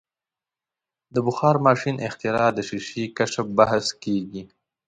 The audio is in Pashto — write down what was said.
د بخار ماشین اختراع د شیشې کشف بحث کیږي.